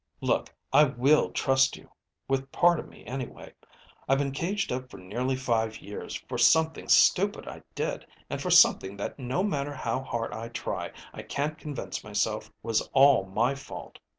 "Look, I will trust you; with part of me, anyway. I've been caged up for nearly five years, for something stupid I did, and for something that no matter how hard I try, I can't convince myself was all my fault.